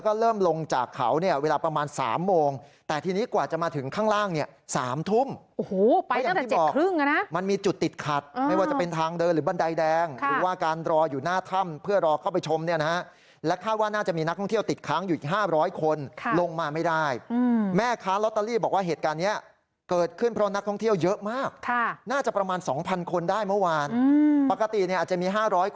ก็อย่างที่บอกมันมีจุดติดขัดไม่ว่าจะเป็นทางเดินหรือบันไดแดงคือว่าการรออยู่หน้าถ้ำเพื่อรอเข้าไปชมเนี่ยนะฮะและคาดว่าน่าจะมีนักท่องเที่ยวติดค้างอยู่๕๐๐คนลงมาไม่ได้แม่ค้ารอตเตอรี่บอกว่าเหตุการณ์เนี่ยเกิดขึ้นเพราะนักท่องเที่ยวเยอะมากค่ะน่าจะประมาณ๒๐๐๐คนได้เมื่อวานปกติเนี่ยอาจจะมี